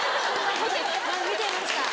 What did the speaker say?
見てました。